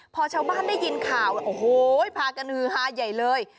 พอชาวบ้านได้ยินข่าวโอ้โหพากันฮือฮาใหญ่เลย